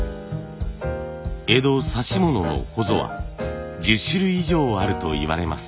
江戸指物のほぞは１０種類以上あるといわれます。